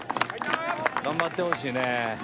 ・頑張ってほしいね。